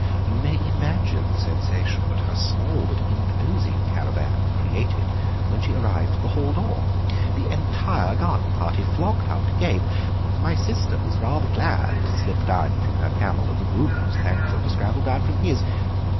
You may imagine the sensation that her small but imposing caravan created when she arrived at the hall door. The entire garden party flocked up to gape. My sister was rather glad to slip down from her camel, and the groom was thankful to scramble down from his.